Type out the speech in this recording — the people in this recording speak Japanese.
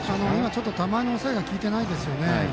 ちょっと球の抑えがきいてないですよね。